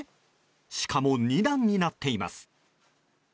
しかも２段になっています。